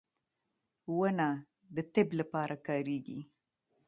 • ونه د طب لپاره کارېږي.